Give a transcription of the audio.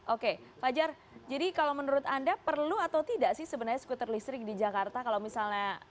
oke fajar jadi kalau menurut anda perlu atau tidak sih sebenarnya skuter listrik di jakarta kalau misalnya